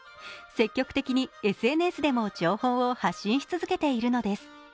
積極的にＳＮＳでも情報を発信し続けているのです。